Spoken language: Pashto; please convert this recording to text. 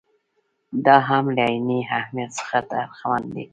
دا هم له عیني اهمیت څخه برخمن دي.